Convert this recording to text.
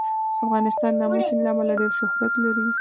افغانستان د آمو سیند له امله ډېر شهرت لري.